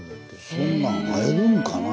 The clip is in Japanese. そんなん会えるんかな。